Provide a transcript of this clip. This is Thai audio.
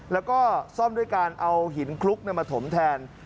แล้วก็ซ่อมด้วยการเอาหินคลุกมาถมแทน